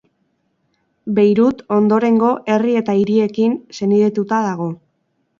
Beirut ondorengo herri eta hiriekin senidetuta dago.